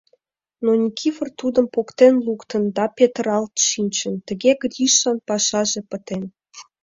Но Никифор тудым поктен луктын да петыралт шинчын, тыге Гришан пашаже пытен.